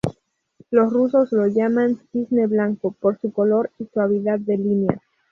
Los rusos lo llaman "Cisne blanco" por su color y suavidad de líneas.